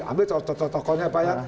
ambil cokok cokoknya apa ya